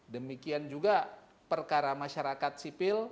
demikian juga perkara masyarakat sipil